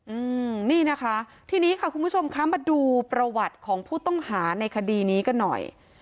อืมนี่นะคะทีนี้ค่ะคุณผู้ชมคะมาดูประวัติของผู้ต้องหาในคดีนี้กันหน่อย